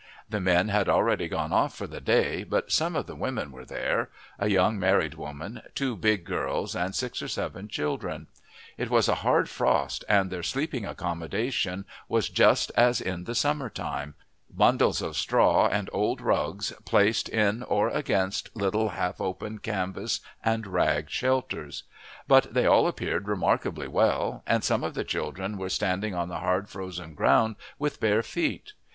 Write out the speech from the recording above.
The men had already gone off for the day, but some of the women were there a young married woman, two big girls, and six or seven children. It was a hard frost and their sleeping accommodation was just as in the summer time bundles of straw and old rugs placed in or against little half open canvas and rag shelters; but they all appeared remarkably well, and some of the children were standing on the hard frozen ground with bare feet.